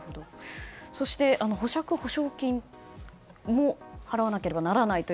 そして保釈保証金も払わなければならない。